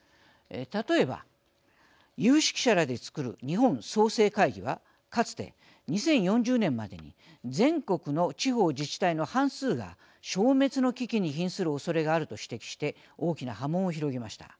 例えば、有識者らで作る日本創成会議はかつて２０４０年までに全国の地方自治体の半数が消滅の危機にひんするおそれがあると指摘して大きな波紋を広げました。